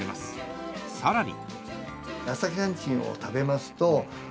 さらに。